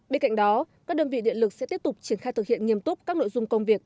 bên cạnh đó các đơn vị điện lực sẽ tiếp tục triển khai thực hiện nghiêm túc các nội dung công việc